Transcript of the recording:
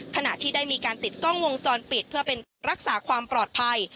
ขณะที่ได้มีการติดกล้องวงจรปิดเพื่อเป็นรักษาความปลอดภัย